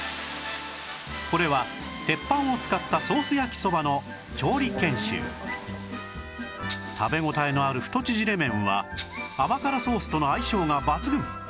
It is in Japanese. これは鉄板を使ったソース焼きそばの調理研修食べ応えのある太縮れ麺は甘辛ソースとの相性が抜群